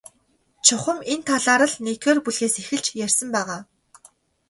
Чухам энэ талаар л нэгдүгээр бүлгээс эхэлж ярьсан байгаа.